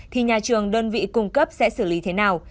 thì nhà trường đơn vị cung cấp sẽ xử lý thế nào